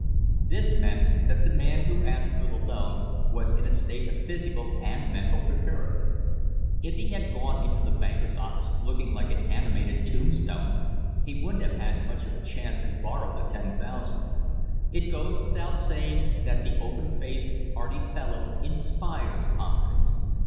This meant that the man who asked for the loan was in a state of physical and mental preparedness. If he had gone into the banker's office looking like an animated tombstone he wouldn't have had much of a chance to borrow the ten thousand. It goes without saying that the open faced, hearty fellow inspires confidence.